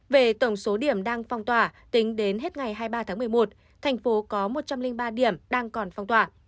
về tổng số điểm đang phong tỏa tính đến hết ngày hai mươi ba tháng một mươi một thành phố có một trăm linh ba điểm đang còn phong tỏa